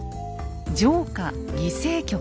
「上下議政局」